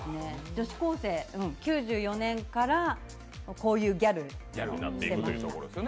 女子高生、９４年からこういうギャルしてました。